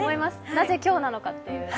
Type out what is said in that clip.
なぜそうなのかというね。